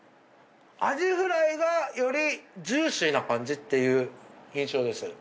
アジフライがよりジューシーな感じっていう印象です。